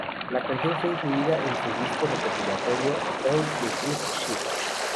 La canción fue incluida en su disco recopilatorio All the Good Shit.